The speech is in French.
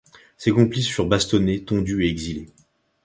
Ses complices furent bastonnés, tondus et exilés.